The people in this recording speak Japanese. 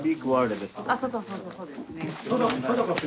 そうそうそうですね。